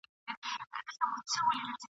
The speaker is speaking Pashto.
د هوسیو د سویانو د پسونو ..